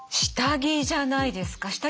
下着じゃないですか？